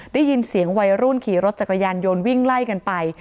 ได้ยินเสียงวัยรุ่นขี่รถจักรยานยนต์วิ่งไล่กันไป